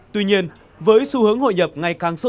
tuy nhiên với xu hướng hội nhập ngày càng sâu rộng